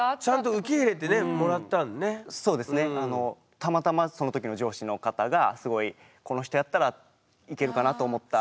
たまたまそのときの上司の方がすごいこの人やったらいけるかなと思ったのがあったんで。